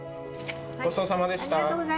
ごちそうさまでした。